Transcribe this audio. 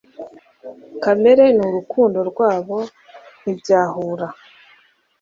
Kamere n'urukundo rwabo ntibyahura